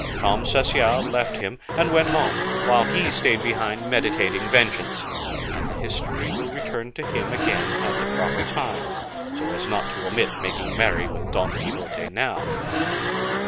Tom Cecial left him and went home, while he stayed behind meditating vengeance; and the history will return to him again at the proper time, so as not to omit making merry with Don Quixote now.